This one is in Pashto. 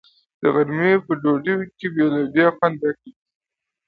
د غرمې په ډوډۍ کې لوبیا خوند راکوي.